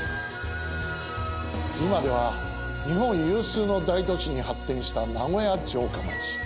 今では日本有数の大都市に発展した名古屋城下町。